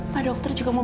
pak dokter juga mau